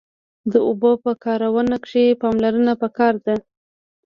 د اوبو په کارونه کښی پاملرنه پکار ده